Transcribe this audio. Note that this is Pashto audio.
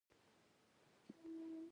قدرت د ونو د ودې ځواک لري.